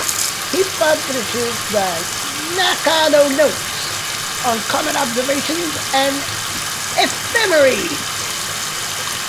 He publishes the "Nakano Notes" on comet observations and ephemerides.